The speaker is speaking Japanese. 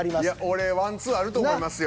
俺ワンツーあると思いますよ。